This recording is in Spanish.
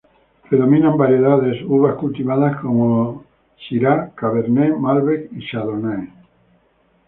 Predominan variedades uvas cultivadas como el: Syrah, Cabernet, Malbec y Chardonnay.